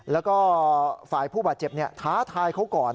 แล้วก็ฝ่ายผู้บาดเจ็บท้าทายเขาก่อน